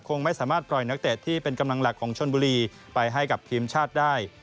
คงไม่สามารถปล่อยนักเตะที่เป็นกำลังหลักของชนบุรีไปให้กับทีมชาติได้